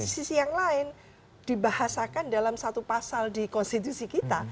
sisi yang lain dibahasakan dalam satu pasal di konstitusi kita